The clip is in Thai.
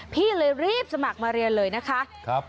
พี่เลยรีบสมัครมาเรียนเลยนะคะ